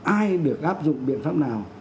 ai được áp dụng biện pháp nào